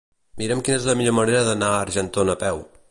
Mira'm quina és la millor manera d'anar a Argentona a peu.